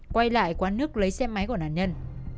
quay lại quán nước lấy xe máy của nạn nhân